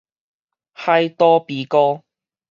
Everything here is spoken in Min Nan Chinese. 海島悲歌